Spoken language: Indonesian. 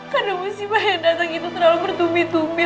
karena musimah yang datang itu terlalu bertumi tumi